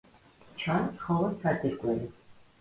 ჩანს მხოლოდ საძირკველი.